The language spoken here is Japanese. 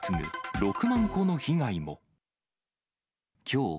６万個の被害も。